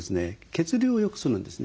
血流をよくするんですね。